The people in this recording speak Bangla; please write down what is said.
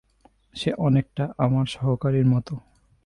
সে অনেকটা আমার সহকারীর মতো।